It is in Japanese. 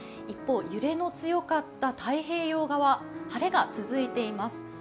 一方、揺れの強かった太平洋側は晴れが続いています。